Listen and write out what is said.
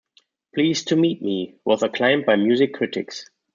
"Pleased to Meet Me" was acclaimed by music critics.